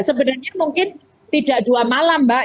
sebenarnya mungkin tidak dua malam mbak